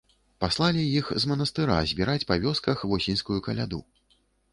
Паслалі іх з манастыра збіраць па вёсках восеньскую каляду.